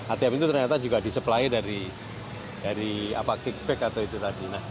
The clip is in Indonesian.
atm itu ternyata juga disupply dari kickback atau itu tadi